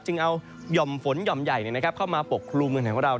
เอาหย่อมฝนหย่อมใหญ่เข้ามาปกครุมเมืองไทยของเรา